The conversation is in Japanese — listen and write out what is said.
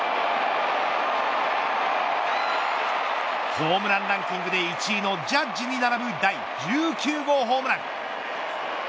ホームランランキングで１位のジャッジに並ぶ第１９号ホームラン。